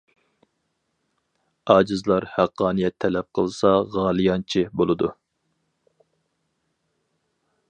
ئاجىزلار ھەققانىيەت تەلەپ قىلسا غەلىيانچى بولىدۇ.